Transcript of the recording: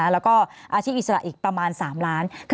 แล้วก็อาชีพอิสระอีกประมาณ๓ล้าน